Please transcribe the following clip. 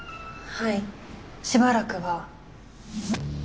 はいしばらくは。